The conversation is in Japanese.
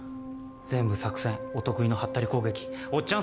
全部作戦お得意のハッタリ攻撃おっちゃん